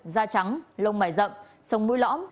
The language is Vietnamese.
da trắng lông mải rậm sông mũi lõm